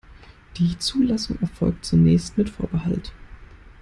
Die Zulassung erfolgt zunächst mit Vorbehalt.